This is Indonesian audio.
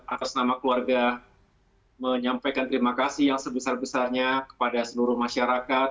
atas nama keluarga menyampaikan terima kasih yang sebesar besarnya kepada seluruh masyarakat